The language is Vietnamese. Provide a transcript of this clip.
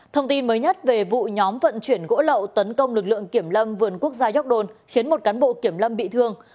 thông tin mới nhất về vụ nhóm vận chuyển gỗ lậu tấn công lực lượng kiểm lâm vườn quốc gia york don khiến một cán bộ kiểm lâm bị thương